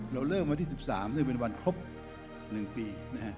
เราเริ่มวันที่๑๓ซึ่งเป็นวันครบ๑ปี